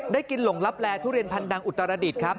ได้กินหลงลับแลทุเรียนพันดังอุตรดิษฐ์ครับ